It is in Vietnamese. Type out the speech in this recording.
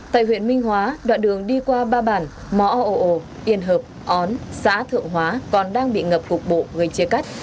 tại huyện minh hóa đoạn đường đi qua ba bản mõ ồ ồ yên hợp ấn xã thượng hóa còn đang bị ngập cục bộ gây chia cắt